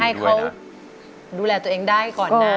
ให้เขาดูแลตัวเองได้ก่อนนะ